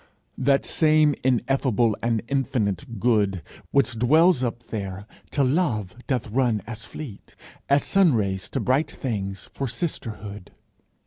That same ineffable and infinite Good, Which dwells up there, to Love doth run as fleet As sunrays to bright things, for sisterhood.